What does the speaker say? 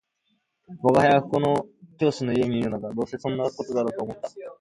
「吾輩はここの教師の家にいるのだ」「どうせそんな事だろうと思った